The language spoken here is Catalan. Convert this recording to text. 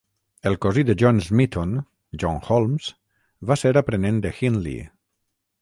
El cosí de John Smeaton, John Holmes, va ser aprenent de Hindley.